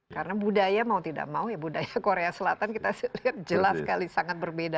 karena budaya mau tidak mau budaya korea selatan kita lihat jelas sekali sangat berbeda